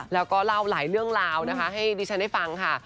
แล้วก็เล่าหลายเรื่องราวนะคะให้ดิฉันได้ฟังค่ะ